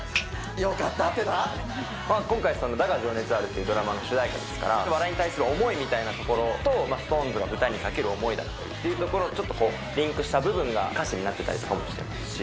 今回、だが、情熱はあるっていうドラマの主題歌ですから、笑いに対する思いみたいなところと、ＳｉｘＴＯＮＥＳが歌にかける思いだったりとかいうところをちょっとリンクした部分が歌詞になってたりとかもしてますし。